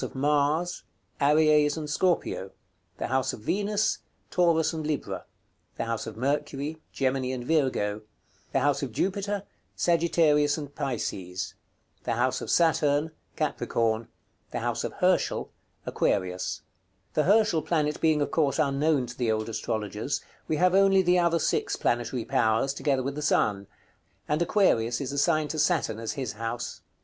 of Mars, " Aries and Scorpio. " Venus, " Taurus and Libra. " Mercury, " Gemini and Virgo. " Jupiter, " Sagittarius and Pisces. " Saturn, " Capricorn. " Herschel, " Aquarius. The Herschel planet being of course unknown to the old astrologers, we have only the other six planetary powers, together with the sun; and Aquarius is assigned to Saturn as his house.